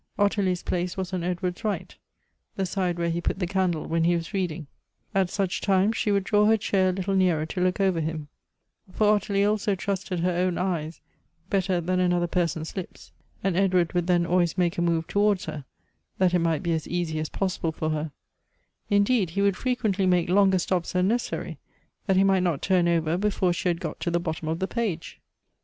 Ottilie's place was on Edward's right, the side wher» he put the candle when he was reading — at such times she would draw her chair a little nearer to look over him, for Ottilie also trusted her own eyes better than another per son's lips, and Edward would then always make a move towards her, that it might be as easy as possible for her — indeed he would frequently make longer stops than nec essary, that he might not turn over before she had got to the bottom of the page.